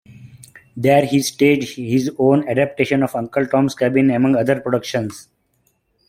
There he staged his own adaptations of "Uncle Tom's Cabin" among other productions.